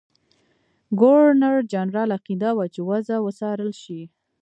ګورنرجنرال عقیده وه چې وضع وڅارله شي.